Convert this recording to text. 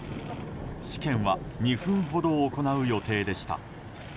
試験は２分ほど行う予定でした。